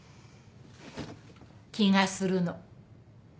気がするの。